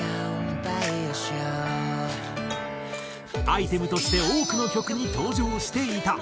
アイテムとして多くの曲に登場していた。